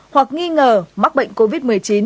hoặc nghi ngờ mắc bệnh covid một mươi chín